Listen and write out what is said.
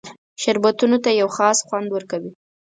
شربتونو ته یو خاص خوند ورکوي.